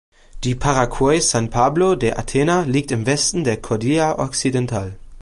Die Parroquia San Pablo de Atenas liegt im Westen der Cordillera Occidental.